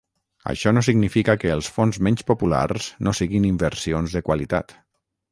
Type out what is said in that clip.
Això no significa que els fons menys populars no siguin inversions de qualitat.